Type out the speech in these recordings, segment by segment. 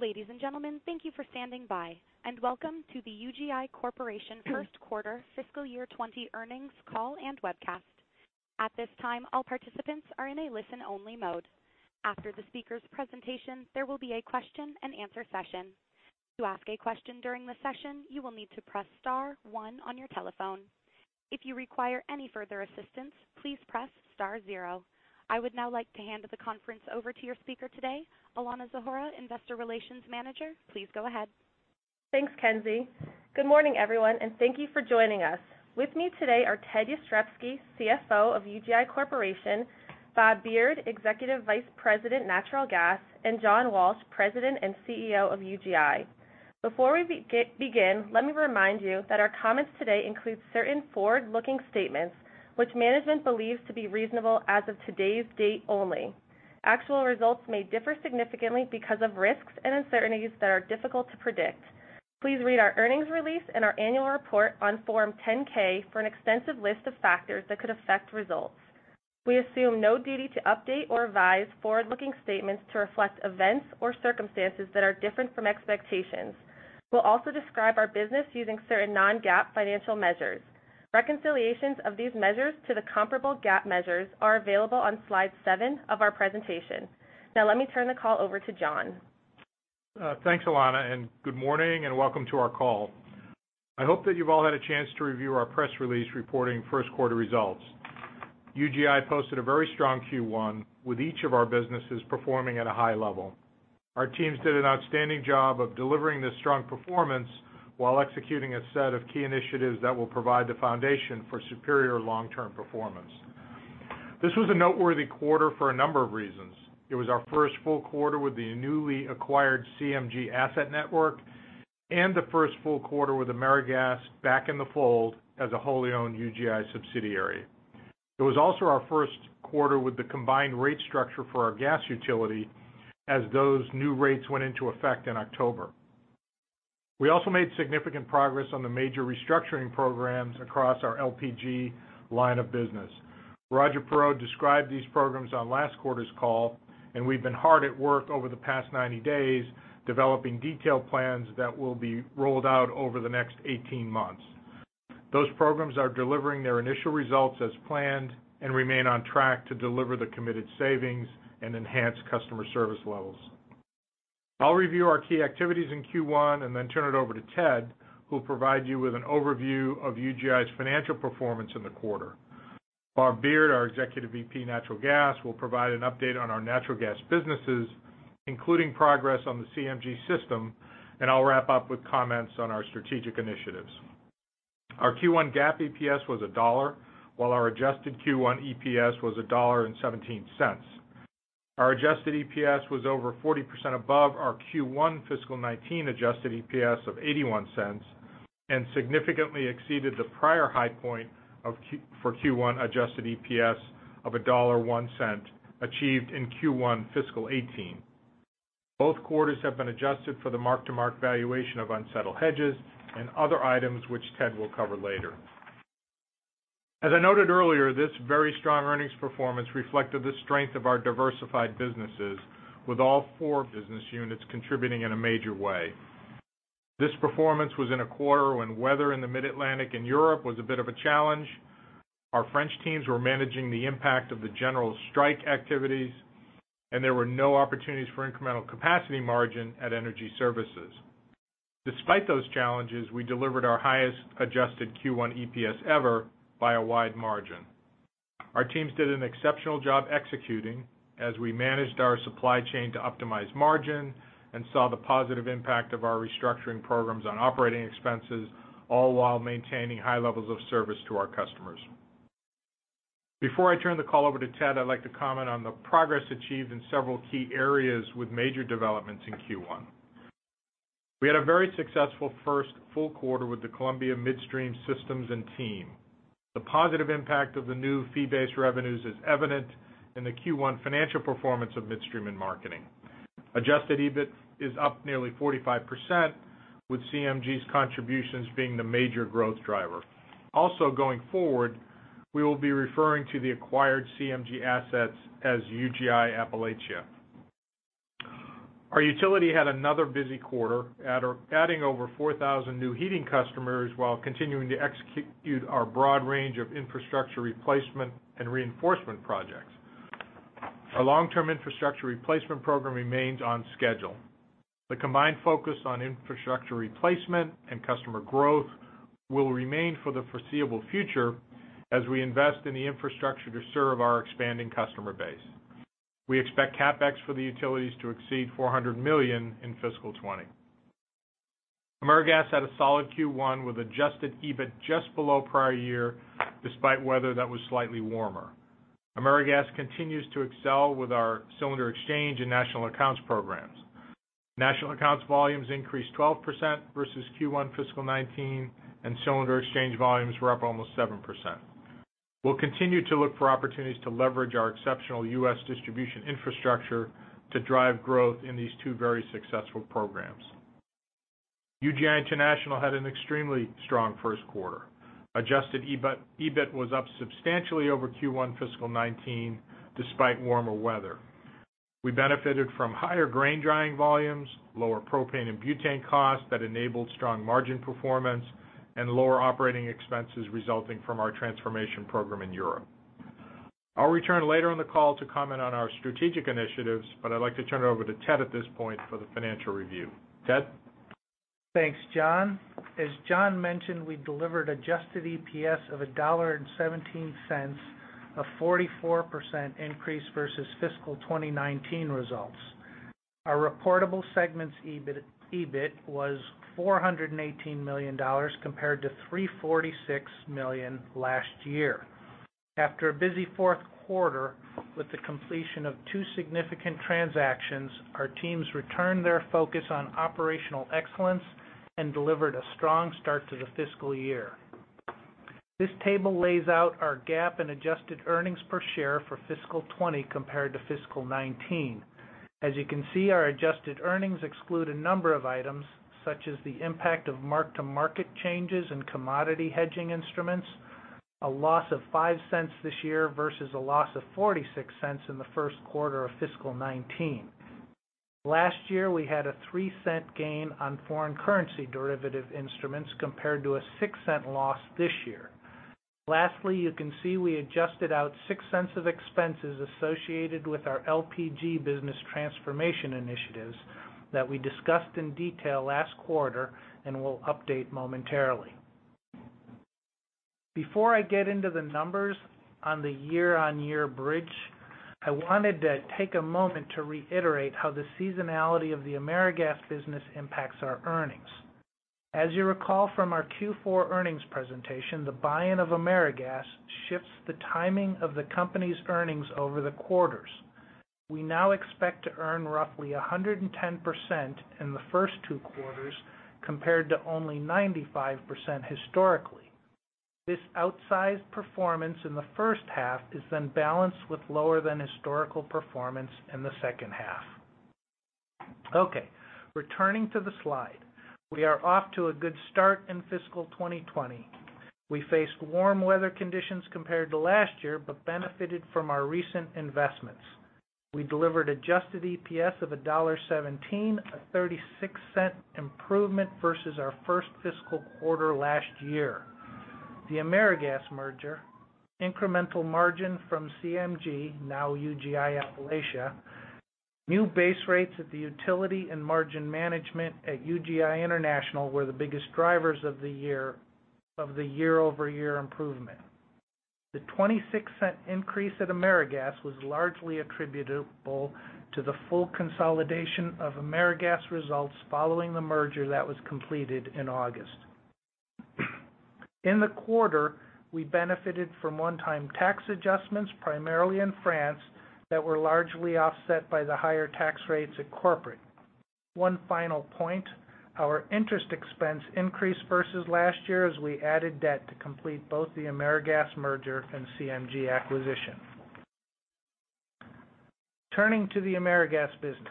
Ladies and gentlemen, thank you for standing by, and welcome to the UGI Corporation first quarter fiscal year 2020 earnings call and webcast. At this time, all participants are in a listen-only mode. After the speaker's presentation, there will be a question-and-answer session. To ask a question during the session, you will need to press star one on your telephone. If you require any further assistance, please press star zero. I would now like to hand the conference over to your speaker today, Alanna Zahora, Manager of Investor Relations. Please go ahead. Thanks, Kenzie. Good morning, everyone, and thank you for joining us. With me today are Ted Jastrzebski, CFO of UGI Corporation, Bob Beard, Executive Vice President, Natural Gas, and John Walsh, President and CEO of UGI. Before we begin, let me remind you that our comments today include certain forward-looking statements which management believes to be reasonable as of today's date only. Actual results may differ significantly because of risks and uncertainties that are difficult to predict. Please read our earnings release and our annual report on Form 10-K for an extensive list of factors that could affect results. We assume no duty to update or revise forward-looking statements to reflect events or circumstances that are different from expectations. We'll also describe our business using certain non-GAAP financial measures. Reconciliations of these measures to the comparable GAAP measures are available on slide seven of our presentation. Let me turn the call over to John. Thanks, Alanna, good morning, welcome to our call. I hope that you've all had a chance to review our press release reporting first quarter results. UGI posted a very strong Q1, with each of our businesses performing at a high level. Our teams did an outstanding job of delivering this strong performance while executing a set of key initiatives that will provide the foundation for superior long-term performance. This was a noteworthy quarter for a number of reasons. It was our first full quarter with the newly acquired CMG asset network, the first full quarter with AmeriGas back in the fold as a wholly owned UGI subsidiary. It was also our first quarter with the combined rate structure for our gas utility, as those new rates went into effect in October. We also made significant progress on the major restructuring programs across our LPG line of business. Roger Perreault described these programs on last quarter's call, and we've been hard at work over the past 90 days developing detailed plans that will be rolled out over the next 18 months. Those programs are delivering their initial results as planned and remain on track to deliver the committed savings and enhance customer service levels. I'll review our key activities in Q1 and then turn it over to Ted, who will provide you with an overview of UGI's financial performance in the quarter. Bob Beard, our Executive VP, Natural Gas, will provide an update on our natural gas businesses, including progress on the CMG system, and I'll wrap up with comments on our strategic initiatives. Our Q1 GAAP EPS was $1, while our adjusted Q1 EPS was $1.17. Our adjusted EPS was over 40% above our Q1 FY 2019 adjusted EPS of $0.81, and significantly exceeded the prior high point for Q1 adjusted EPS of $1.01 achieved in Q1 FY 2018. Both quarters have been adjusted for the mark-to-market valuation of unsettled hedges and other items, which Ted will cover later. As I noted earlier, this very strong earnings performance reflected the strength of our diversified businesses, with all four business units contributing in a major way. This performance was in a quarter when weather in the Mid-Atlantic and Europe was a bit of a challenge. Our French teams were managing the impact of the general strike activities, and there were no opportunities for incremental capacity margin at Energy Services. Despite those challenges, we delivered our highest adjusted Q1 EPS ever by a wide margin. Our teams did an exceptional job executing as we managed our supply chain to optimize margin and saw the positive impact of our restructuring programs on operating expenses, all while maintaining high levels of service to our customers. Before I turn the call over to Ted, I'd like to comment on the progress achieved in several key areas with major developments in Q1. We had a very successful first full quarter with the Columbia Midstream systems and team. The positive impact of the new fee-based revenues is evident in the Q1 financial performance of Midstream & Marketing. Adjusted EBIT is up nearly 45%, with CMG's contributions being the major growth driver. Going forward, we will be referring to the acquired CMG assets as UGI Appalachia. Our utility had another busy quarter, adding over 4,000 new heating customers while continuing to execute our broad range of infrastructure replacement and reinforcement projects. Our long-term infrastructure replacement program remains on schedule. The combined focus on infrastructure replacement and customer growth will remain for the foreseeable future as we invest in the infrastructure to serve our expanding customer base. We expect CapEx for the utilities to exceed $400 million in fiscal 2020. AmeriGas had a solid Q1 with adjusted EBIT just below prior year, despite weather that was slightly warmer. AmeriGas continues to excel with our cylinder exchange and national accounts programs. National accounts volumes increased 12% versus Q1 fiscal 2019, and cylinder exchange volumes were up almost 7%. We'll continue to look for opportunities to leverage our exceptional U.S. distribution infrastructure to drive growth in these two very successful programs. UGI International had an extremely strong first quarter. Adjusted EBIT was up substantially over Q1 fiscal 2019, despite warmer weather. We benefited from higher grain drying volumes, lower propane and butane costs that enabled strong margin performance, and lower operating expenses resulting from our transformation program in Europe. I'd like to turn it over to Ted at this point for the financial review. Ted? Thanks, John. As John mentioned, we delivered adjusted EPS of $1.17, a 44% increase versus fiscal 2019 results. Our reportable segment's EBIT was $418 million compared to $346 million last year. After a busy fourth quarter with the completion of two significant transactions, our teams returned their focus on operational excellence and delivered a strong start to the fiscal year. This table lays out our GAAP in adjusted earnings per share for fiscal 20 compared to fiscal 19. As you can see, our adjusted earnings exclude a number of items, such as the impact of mark-to-market changes in commodity hedging instruments, a loss of $0.05 this year versus a loss of $0.46 in the first quarter of fiscal 19. Last year, we had a $0.03 gain on foreign currency derivative instruments compared to a $0.06 loss this year. Lastly, you can see we adjusted out $0.06 of expenses associated with our LPG business transformation initiatives that we discussed in detail last quarter and will update momentarily. Before I get into the numbers on the year-on-year bridge, I wanted to take a moment to reiterate how the seasonality of the AmeriGas business impacts our earnings. As you recall from our Q4 earnings presentation, the buy-in of AmeriGas shifts the timing of the company's earnings over the quarters. We now expect to earn roughly 110% in the first two quarters, compared to only 95% historically. This outsized performance in the first half is then balanced with lower than historical performance in the second half. Okay. Returning to the slide. We are off to a good start in fiscal 2020. We faced warm weather conditions compared to last year, but benefited from our recent investments. We delivered adjusted EPS of $1.17, a $0.36 improvement versus our first fiscal quarter last year. The AmeriGas merger, incremental margin from CMG, now UGI Appalachia, new base rates at the utility and margin management at UGI International were the biggest drivers of the year-over-year improvement. The $0.26 increase at AmeriGas was largely attributable to the full consolidation of AmeriGas results following the merger that was completed in August. In the quarter, we benefited from one-time tax adjustments, primarily in France, that were largely offset by the higher tax rates at corporate. One final point, our interest expense increased versus last year as we added debt to complete both the AmeriGas merger and CMG acquisition. Turning to the AmeriGas business.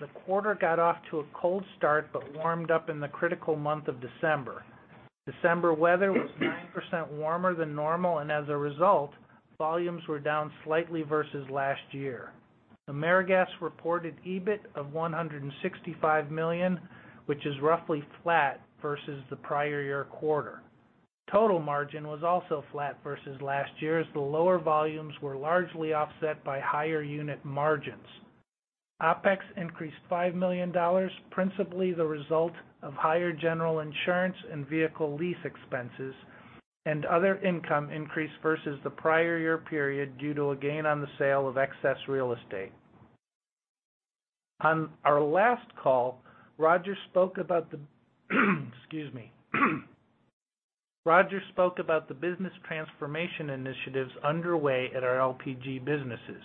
The quarter got off to a cold start but warmed up in the critical month of December. December weather was 9% warmer than normal, and as a result, volumes were down slightly versus last year. AmeriGas reported EBIT of $165 million, which is roughly flat versus the prior year quarter. Total margin was also flat versus last year, as the lower volumes were largely offset by higher unit margins. OpEx increased $5 million, principally the result of higher general insurance and vehicle lease expenses, and other income increased versus the prior year period due to a gain on the sale of excess real estate. On our last call, Roger spoke about the business transformation initiatives underway at our LPG businesses.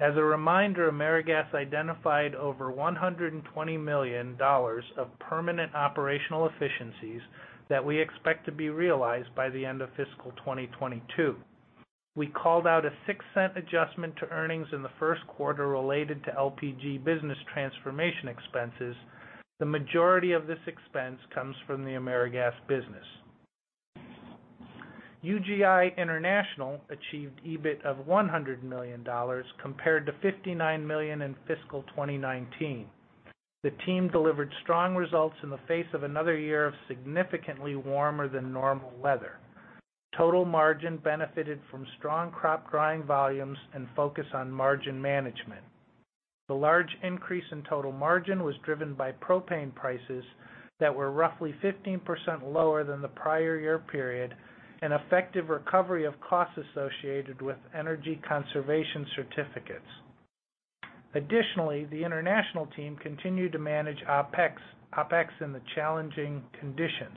As a reminder, AmeriGas identified over $120 million of permanent operational efficiencies that we expect to be realized by the end of fiscal 2022. We called out a $0.06 adjustment to earnings in the first quarter related to LPG business transformation expenses. The majority of this expense comes from the AmeriGas business. UGI International achieved EBIT of $100 million compared to $59 million in fiscal 2019. The team delivered strong results in the face of another year of significantly warmer than normal weather. Total margin benefited from strong crop drying volumes and focus on margin management. The large increase in total margin was driven by propane prices that were roughly 15% lower than the prior year period and effective recovery of costs associated with energy conservation certificates. Additionally, the international team continued to manage OpEx in the challenging conditions.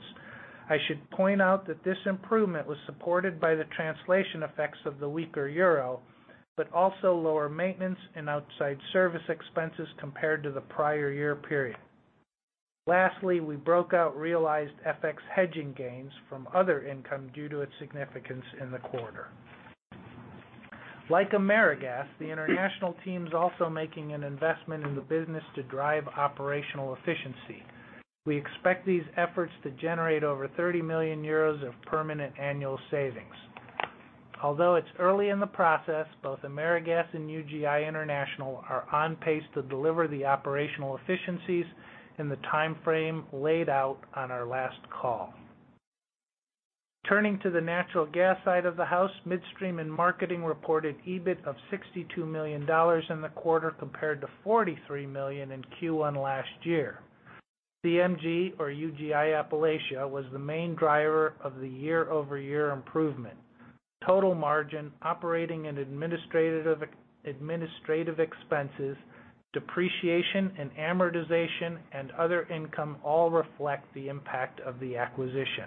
I should point out that this improvement was supported by the translation effects of the weaker euro, but also lower maintenance and outside service expenses compared to the prior year period. Lastly, we broke out realized FX hedging gains from other income due to its significance in the quarter. Like AmeriGas, the International team's also making an investment in the business to drive operational efficiency. We expect these efforts to generate over 30 million euros of permanent annual savings. Although it's early in the process, both AmeriGas and UGI International are on pace to deliver the operational efficiencies in the timeframe laid out on our last call. Turning to the natural gas side of the house, Midstream & Marketing reported EBIT of $62 million in the quarter, compared to $43 million in Q1 last year. CMG or UGI Appalachia was the main driver of the year-over-year improvement. Total margin operating and administrative expenses, depreciation and amortization, and other income all reflect the impact of the acquisition.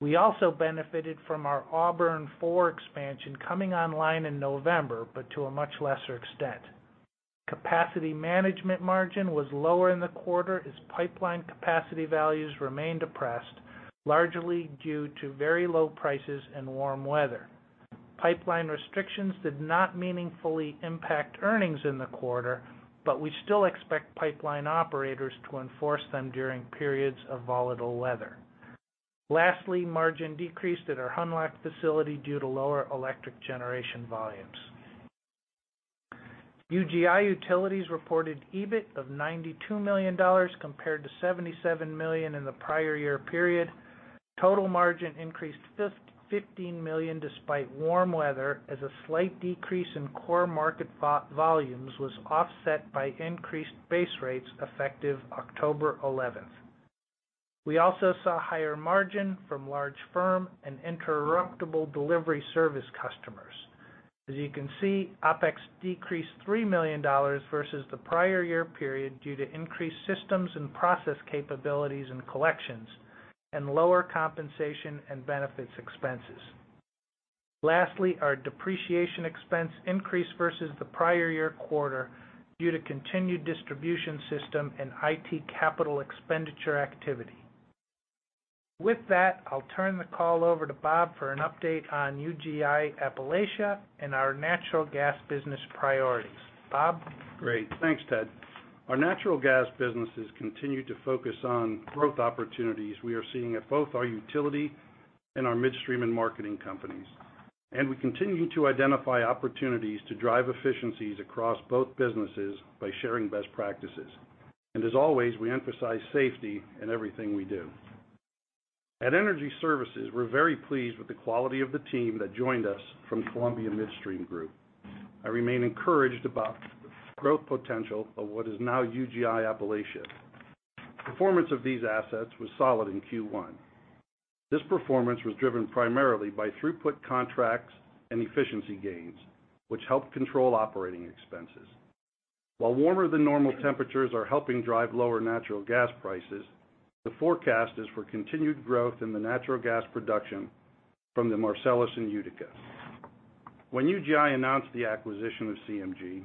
We also benefited from our Auburn IV expansion coming online in November, but to a much lesser extent. Capacity management margin was lower in the quarter as pipeline capacity values remained depressed, largely due to very low prices and warm weather. Pipeline restrictions did not meaningfully impact earnings in the quarter, but we still expect pipeline operators to enforce them during periods of volatile weather. Lastly, margin decreased at our Hunlock Creek facility due to lower electric generation volumes. UGI Utilities reported EBIT of $92 million compared to $77 million in the prior year period. Total margin increased $15 million despite warm weather as a slight decrease in core market volumes was offset by increased base rates effective October 11th. We also saw higher margin from large firm and interruptible delivery service customers. As you can see, OpEx decreased $3 million versus the prior year period due to increased systems and process capabilities in collections and lower compensation and benefits expenses. Lastly, our depreciation expense increased versus the prior year quarter due to continued distribution system and IT capital expenditure activity. With that, I'll turn the call over to Bob for an update on UGI Appalachia and our natural gas business priorities. Bob? Great. Thanks, Ted. Our natural gas businesses continue to focus on growth opportunities we are seeing at both our utility and our Midstream & Marketing companies. We continue to identify opportunities to drive efficiencies across both businesses by sharing best practices. As always, we emphasize safety in everything we do. At UGI Energy Services, we're very pleased with the quality of the team that joined us from Columbia Midstream Group. I remain encouraged about the growth potential of what is now UGI Appalachia. Performance of these assets was solid in Q1. This performance was driven primarily by throughput contracts and efficiency gains, which helped control OpEx. While warmer than normal temperatures are helping drive lower natural gas prices, the forecast is for continued growth in the natural gas production from the Marcellus and Utica. When UGI announced the acquisition of CMG,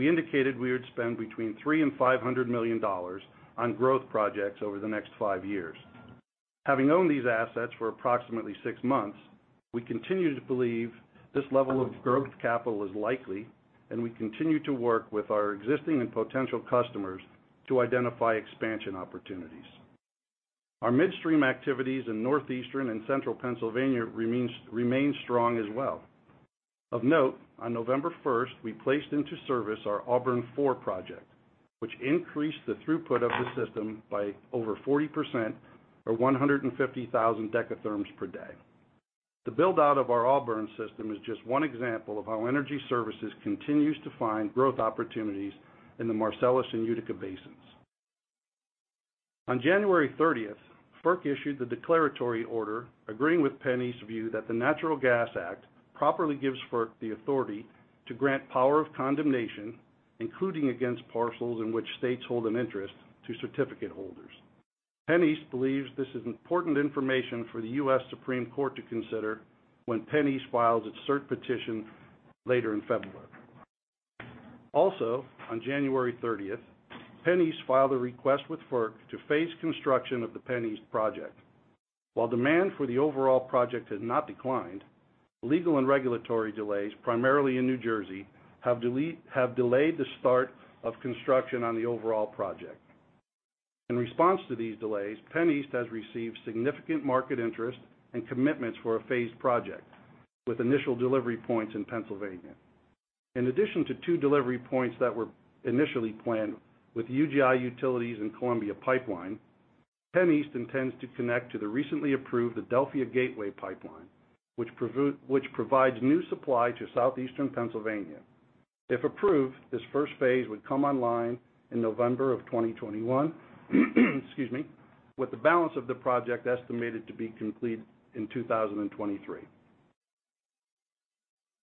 we indicated we would spend between $300 million and $500 million on growth projects over the next five years. Having owned these assets for approximately six months, we continue to believe this level of growth capital is likely, and we continue to work with our existing and potential customers to identify expansion opportunities. Our midstream activities in Northeastern and Central Pennsylvania remain strong as well. Of note, on November 1st, we placed into service our Auburn IV project, which increased the throughput of the system by over 40%, or 150,000 dekatherms per day. The build-out of our Auburn system is just one example of how Energy Services continues to find growth opportunities in the Marcellus and Utica basins. On January 30th, FERC issued the declaratory order, agreeing with PennEast's view that the Natural Gas Act properly gives FERC the authority to grant power of condemnation, including against parcels in which states hold an interest to certificate holders. PennEast believes this is important information for the U.S. Supreme Court to consider when PennEast files its cert petition later in February. On January 30th, PennEast filed a request with FERC to phase construction of the PennEast project. While demand for the overall project has not declined, legal and regulatory delays, primarily in New Jersey, have delayed the start of construction on the overall project. In response to these delays, PennEast has received significant market interest and commitments for a phased project with initial delivery points in Pennsylvania. In addition to two delivery points that were initially planned with UGI Utilities and Columbia Pipeline, PennEast intends to connect to the recently approved Adelphia Gateway pipeline, which provides new supply to Southeastern Pennsylvania. If approved, this first phase would come online in November of 2021, excuse me, with the balance of the project estimated to be complete in 2023.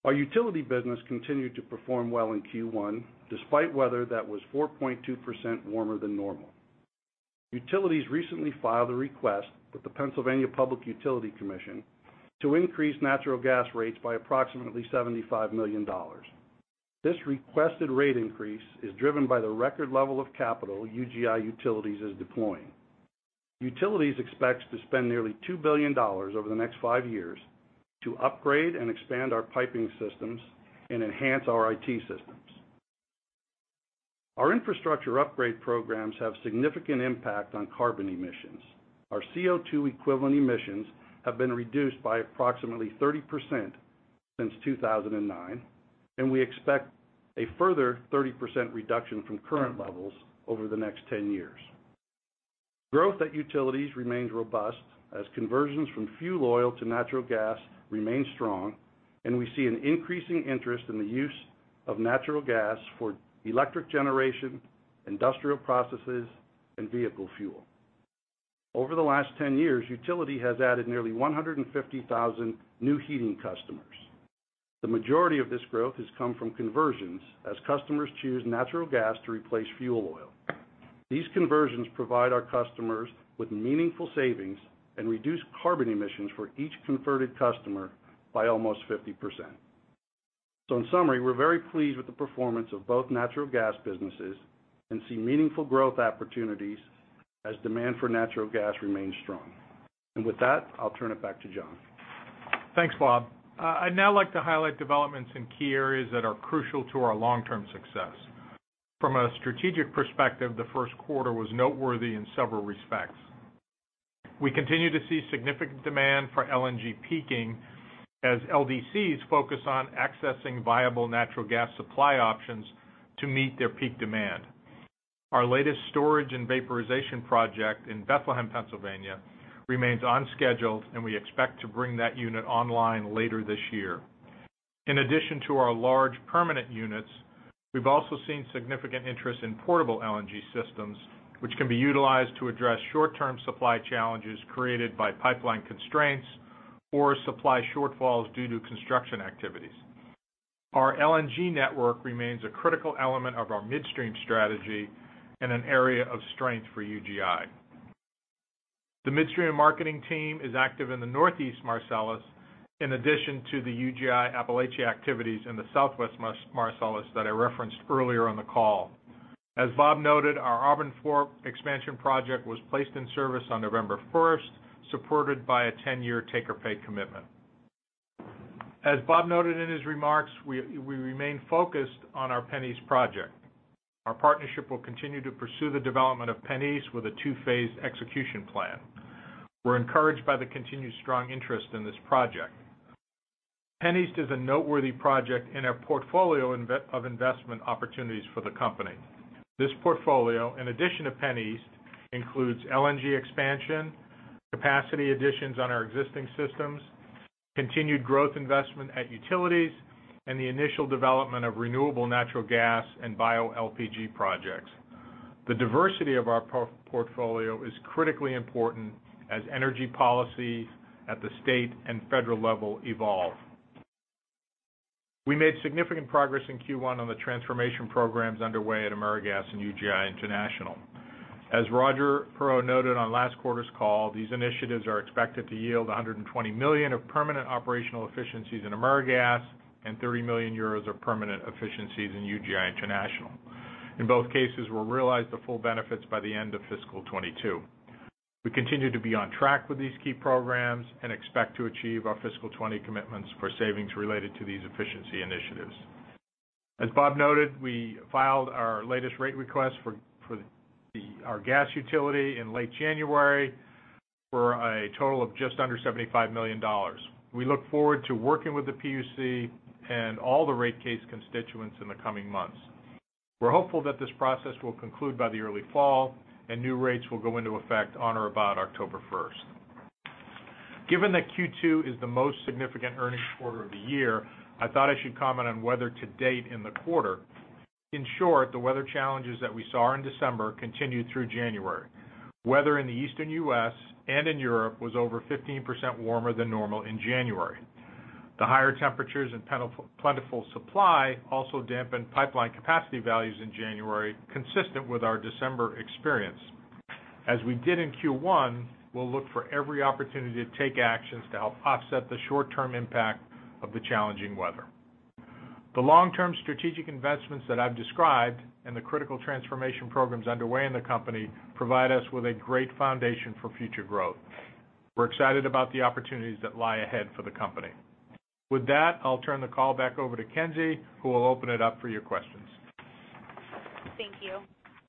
Our utility business continued to perform well in Q1, despite weather that was 4.2% warmer than normal. Utilities recently filed a request with the Pennsylvania Public Utility Commission to increase natural gas rates by approximately $75 million. This requested rate increase is driven by the record level of capital UGI Utilities is deploying. Utilities expects to spend nearly $2 billion over the next five years to upgrade and expand our piping systems and enhance our IT systems. Our infrastructure upgrade programs have a significant impact on carbon emissions. Our CO2 equivalent emissions have been reduced by approximately 30% since 2009. We expect a further 30% reduction from current levels over the next 10 years. Growth at Utilities remains robust as conversions from fuel oil to natural gas remain strong. We see an increasing interest in the use of natural gas for electric generation, industrial processes, and vehicle fuel. Over the last 10 years, Utilities has added nearly 150,000 new heating customers. The majority of this growth has come from conversions as customers choose natural gas to replace fuel oil. These conversions provide our customers with meaningful savings and reduce carbon emissions for each converted customer by almost 50%. In summary, we're very pleased with the performance of both natural gas businesses. We see meaningful growth opportunities as demand for natural gas remains strong. With that, I'll turn it back to John. Thanks, Bob. I'd now like to highlight developments in key areas that are crucial to our long-term success. From a strategic perspective, the first quarter was noteworthy in several respects. We continue to see significant demand for LNG peaking as LDCs focus on accessing viable natural gas supply options to meet their peak demand. Our latest storage and vaporization project in Bethlehem, Pennsylvania, remains on schedule, and we expect to bring that unit online later this year. In addition to our large permanent units, we've also seen significant interest in portable LNG systems, which can be utilized to address short-term supply challenges created by pipeline constraints or supply shortfalls due to construction activities. Our LNG network remains a critical element of our midstream strategy and an area of strength for UGI. The midstream marketing team is active in the Northeast Marcellus in addition to the UGI Appalachia activities in the Southwest Marcellus that I referenced earlier on the call. As Bob noted, our Auburn IV expansion project was placed in service on November 1st, supported by a 10-year take-or-pay commitment. As Bob noted in his remarks, we remain focused on our PennEast project. Our partnership will continue to pursue the development of PennEast with a two-phase execution plan. We're encouraged by the continued strong interest in this project. PennEast is a noteworthy project in our portfolio of investment opportunities for the company. This portfolio, in addition to PennEast, includes LNG expansion, capacity additions on our existing systems, continued growth investment at Utilities, and the initial development of renewable natural gas and bioLPG projects. The diversity of our portfolio is critically important as energy policy at the state and federal level evolve. We made significant progress in Q1 on the transformation programs underway at AmeriGas and UGI International. As Roger Perreault noted on last quarter's call, these initiatives are expected to yield $120 million of permanent operational efficiencies in AmeriGas and 30 million euros of permanent efficiencies in UGI International. In both cases, we'll realize the full benefits by the end of fiscal 2022. We continue to be on track with these key programs and expect to achieve our fiscal 2020 commitments for savings related to these efficiency initiatives. As Bob noted, we filed our latest rate request for our Gas Utility in late January for a total of just under $75 million. We look forward to working with the PUC and all the rate case constituents in the coming months. We're hopeful that this process will conclude by the early fall, and new rates will go into effect on or about October 1st. Given that Q2 is the most significant earnings quarter of the year, I thought I should comment on weather to date in the quarter. In short, the weather challenges that we saw in December continued through January. Weather in the Eastern U.S. and in Europe was over 15% warmer than normal in January. The higher temperatures and plentiful supply also dampened pipeline capacity values in January, consistent with our December experience. As we did in Q1, we'll look for every opportunity to take actions to help offset the short-term impact of the challenging weather. The long-term strategic investments that I've described and the critical transformation programs underway in the company provide us with a great foundation for future growth. We're excited about the opportunities that lie ahead for the company. With that, I'll turn the call back over to Kenzie, who will open it up for your questions. Thank you.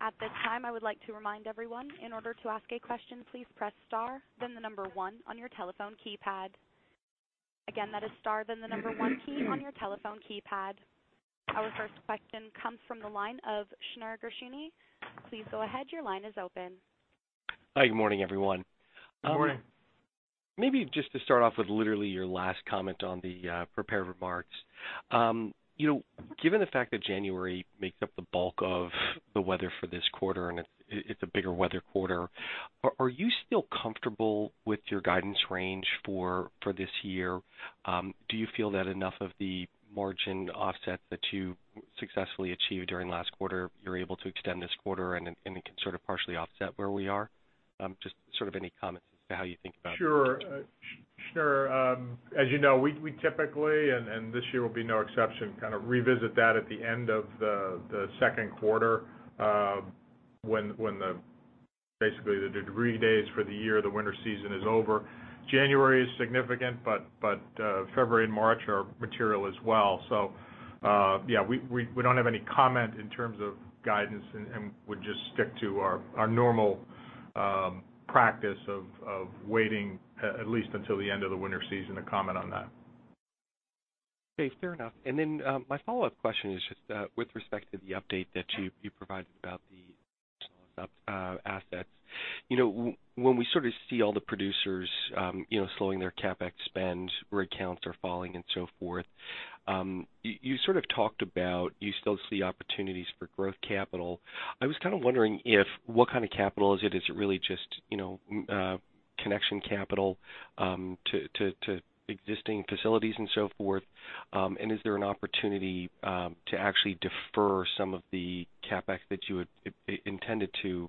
At this time, I would like to remind everyone, in order to ask a question, please press star, then the number one on your telephone keypad. Again, that is star, then the number one key on your telephone keypad. Our first question comes from the line of Shneur Gershuni. Please go ahead. Your line is open. Hi. Good morning, everyone. Good morning. Maybe just to start off with literally your last comment on the prepared remarks. Given the fact that January makes up the bulk of the weather for this quarter, and it's a bigger weather quarter, are you still comfortable with your guidance range for this year? Do you feel that enough of the margin offsets that you successfully achieved during last quarter, you're able to extend this quarter, and it can sort of partially offset where we are? Just sort of any comments as to how you think about? Sure. As you know, we typically, and this year will be no exception, kind of revisit that at the end of the second quarter, when basically the degree days for the year, the winter season is over. January is significant, but February and March are material as well. Yeah, we don't have any comment in terms of guidance and would just stick to our normal practice of waiting at least until the end of the winter season to comment on that. Okay, fair enough. My follow-up question is just with respect to the update that you provided about the assets. When we sort of see all the producers slowing their CapEx spend, rig counts are falling and so forth, you sort of talked about you still see opportunities for growth capital. I was kind of wondering what kind of capital is it? Is it really just connection capital to existing facilities and so forth? Is there an opportunity to actually defer some of the CapEx that you had intended to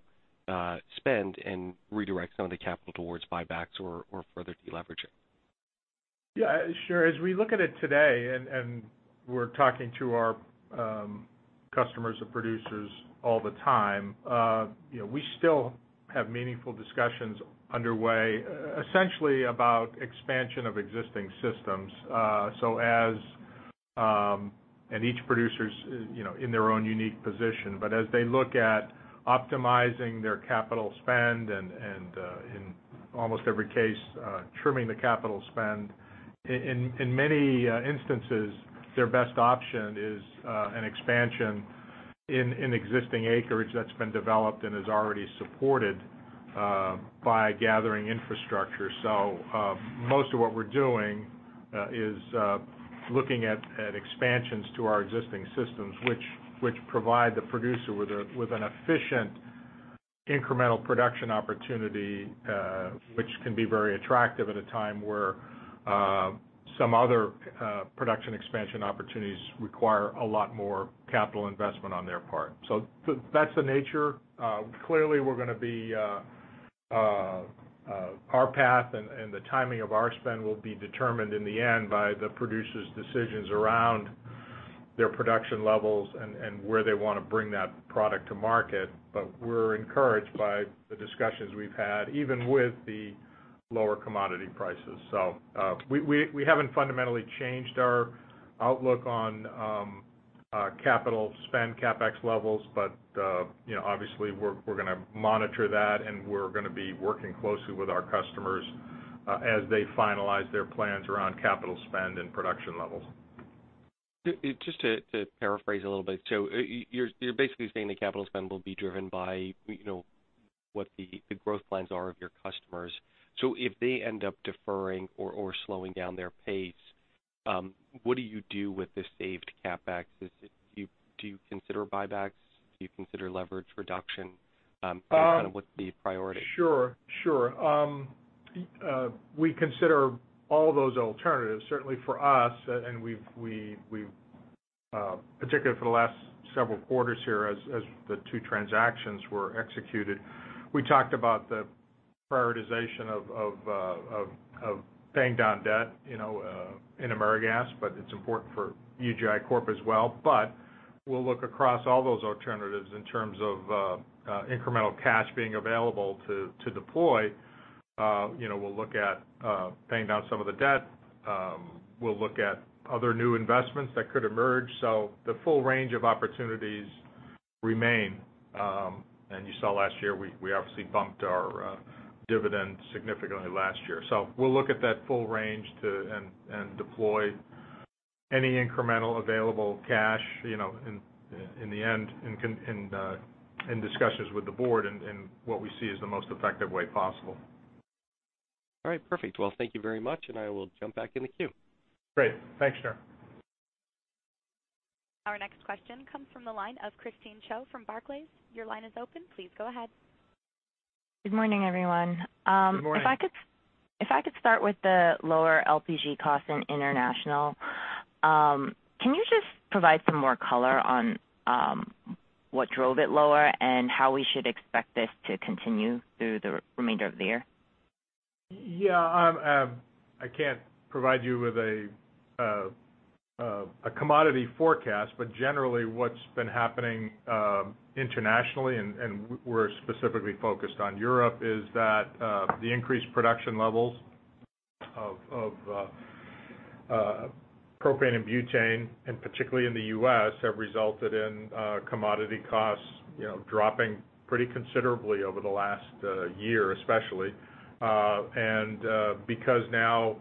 spend and redirect some of the capital towards buybacks or further deleveraging? Yeah, sure. As we look at it today, we're talking to our customers and producers all the time, we still have meaningful discussions underway, essentially about expansion of existing systems. Each producer's in their own unique position, but as they look at optimizing their capital spend and in almost every case, trimming the capital spend, in many instances, their best option is an expansion in existing acreage that's been developed and is already supported by gathering infrastructure. Most of what we're doing is looking at expansions to our existing systems, which provide the producer with an efficient incremental production opportunity, which can be very attractive at a time where some other production expansion opportunities require a lot more capital investment on their part. That's the nature. Clearly our path and the timing of our spend will be determined in the end by the producers' decisions around their production levels and where they want to bring that product to market. We're encouraged by the discussions we've had, even with the lower commodity prices. We haven't fundamentally changed our outlook on capital spend, CapEx levels, but obviously we're going to monitor that, and we're going to be working closely with our customers as they finalize their plans around capital spend and production levels. Just to paraphrase a little bit. You're basically saying the capital spend will be driven by what the growth plans are of your customers. If they end up deferring or slowing down their pace, what do you do with this saved CapEx? Do you consider buybacks? Do you consider leverage reduction? Kind of what's the priority? Sure. We consider all those alternatives, certainly for us, and particularly for the last several quarters here as the two transactions were executed. We talked about the prioritization of paying down debt in AmeriGas, but it's important for UGI Corp as well. We'll look across all those alternatives in terms of incremental cash being available to deploy. We'll look at paying down some of the debt. We'll look at other new investments that could emerge. The full range of opportunities remain. You saw last year, we obviously bumped our dividend significantly last year. We'll look at that full range and deploy any incremental available cash in the end in discussions with the board in what we see as the most effective way possible. All right, perfect. Well, thank you very much. I will jump back in the queue. Great. Thanks, John. Our next question comes from the line of Christine Cho from Barclays. Your line is open. Please go ahead. Good morning, everyone. Good morning. If I could start with the lower LPG cost in International. Can you just provide some more color on what drove it lower and how we should expect this to continue through the remainder of the year? Yeah. I can't provide you with a commodity forecast, but generally what's been happening internationally, and we're specifically focused on Europe, is that the increased production levels of propane and butane, and particularly in the U.S., have resulted in commodity costs dropping pretty considerably over the last year, especially. Because now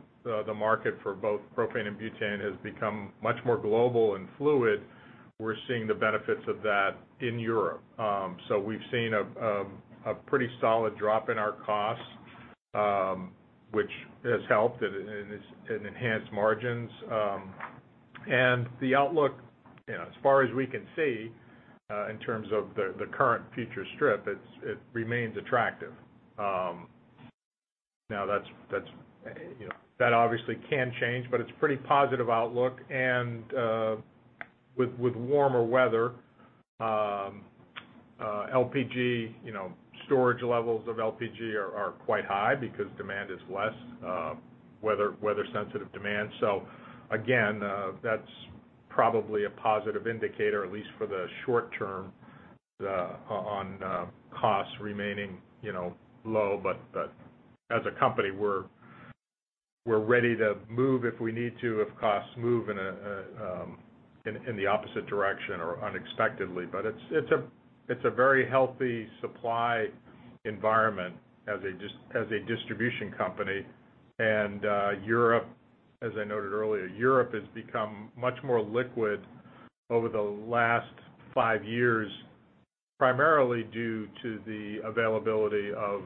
the market for both propane and butane has become much more global and fluid, we're seeing the benefits of that in Europe. We've seen a pretty solid drop in our costs, which has helped and enhanced margins. The outlook, as far as we can see in terms of the current future strip, it remains attractive. Now that obviously can change, but it's a pretty positive outlook and with warmer weather, LPG storage levels of LPG are quite high because demand is less, weather-sensitive demand. Again, that's probably a positive indicator, at least for the short term, on costs remaining low. As a company, we're ready to move if we need to, if costs move in the opposite direction or unexpectedly. It's a very healthy supply environment as a distribution company. Europe, as I noted earlier, Europe has become much more liquid over the last five years, primarily due to the availability of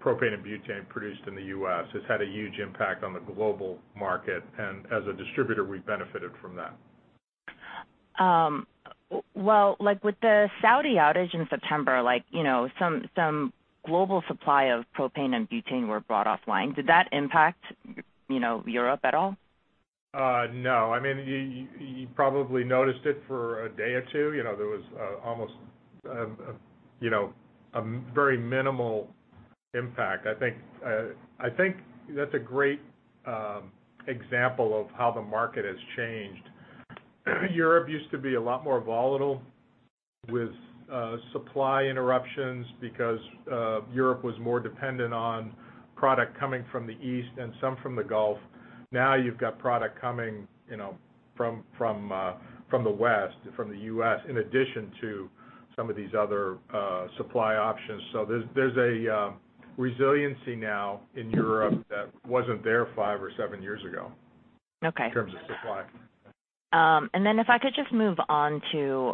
propane and butane produced in the U.S. It's had a huge impact on the global market, and as a distributor, we've benefited from that. Well, with the Saudi outage in September, some global supply of propane and butane were brought offline. Did that impact Europe at all? No. You probably noticed it for a day or two. There was almost a very minimal impact. I think that's a great example of how the market has changed. Europe used to be a lot more volatile with supply interruptions because Europe was more dependent on product coming from the East and some from the Gulf. Now you've got product coming from the West, from the U.S., in addition to some of these other supply options. So there's a resiliency now in Europe that wasn't there five or seven years ago. Okay in terms of supply. If I could just move on to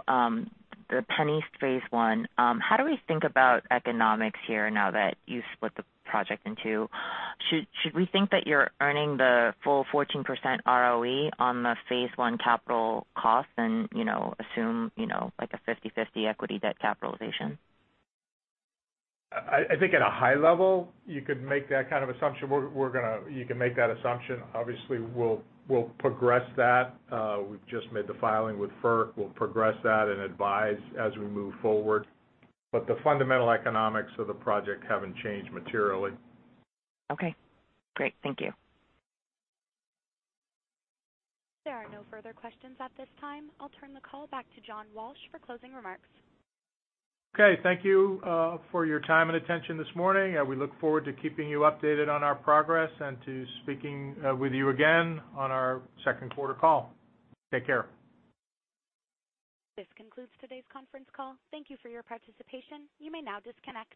the PennEast phase one. How do we think about economics here now that you've split the project in two? Should we think that you're earning the full 14% ROE on the phase one capital cost and assume like a 50/50 equity debt capitalization? I think at a high level, you could make that kind of assumption. You can make that assumption. Obviously, we'll progress that. We've just made the filing with FERC. We'll progress that and advise as we move forward. The fundamental economics of the project haven't changed materially. Okay, great. Thank you. There are no further questions at this time. I'll turn the call back to John Walsh for closing remarks. Okay, thank you for your time and attention this morning. We look forward to keeping you updated on our progress and to speaking with you again on our second quarter call. Take care. This concludes today's conference call. Thank you for your participation. You may now disconnect.